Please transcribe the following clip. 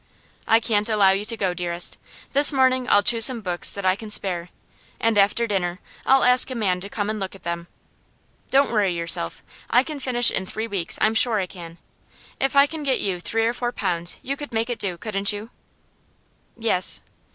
I can't allow you to go, dearest. This morning I'll choose some books that I can spare, and after dinner I'll ask a man to come and look at them. Don't worry yourself; I can finish in three weeks, I'm sure I can. If I can get you three or four pounds you could make it do, couldn't you?' 'Yes.